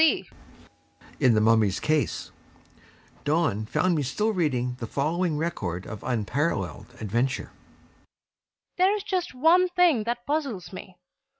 ED. There is just one thing that puzzles me.